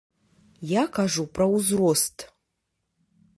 Я кажу пра узрост.